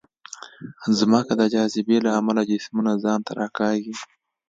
ځمکه د جاذبې له امله جسمونه ځان ته راکاږي.